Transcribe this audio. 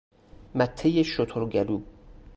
مته شترگلو